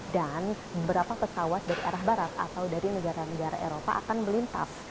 dan beberapa pesawat dari arah barat atau dari negara negara eropa akan melintas